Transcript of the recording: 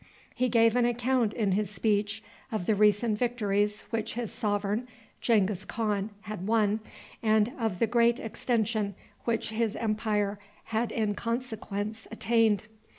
He gave an account in his speech of the recent victories which his sovereign, Genghis Khan, had won, and of the great extension which his empire had in consequence attained.